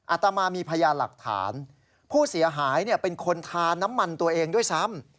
อาตมามีพยานหลักฐานผู้เสียหายเป็นคนทาน้ำมันตัวเองด้วยซ้ำ